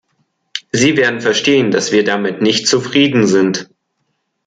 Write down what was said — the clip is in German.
Sie werden verstehen, dass wir damit nicht zufrieden sind.